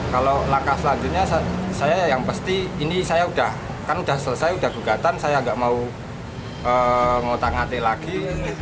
kalau langkah selanjutnya saya yang pasti ini saya udah kan udah selesai udah gugatan saya nggak mau ngotak ngatik lagi